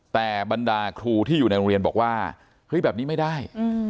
แต่บรรดาครูที่อยู่ในโรงเรียนบอกว่าเฮ้ยแบบนี้ไม่ได้